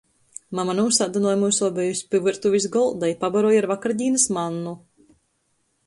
Mama nūsādynoj myus obejus pi vyrtuvis golda i pabaroj ar vakardīnys mannu.